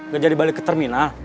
gak jadi balik ke terminal